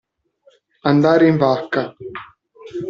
Andare in vacca.